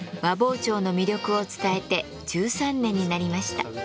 和包丁の魅力を伝えて１３年になりました。